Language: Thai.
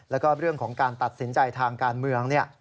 แล้วก็เรื่องของการตัดสินใจทางการเมือง